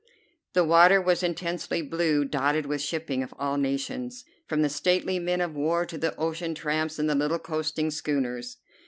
The water was intensely blue, dotted with shipping of all nations, from the stately men of war to the ocean tramps and the little coasting schooners.